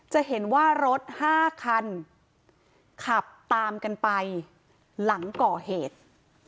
จะเห็นว่ารถ๕คันขับตามกันไปหลังก่อเหตุ